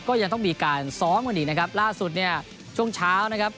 ก็ยังต้องมีการซ้อมกันอีกนะครับล่าสุดเนี่ยช่วงเช้านะครับ